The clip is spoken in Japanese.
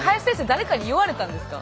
誰かに言われたんですか？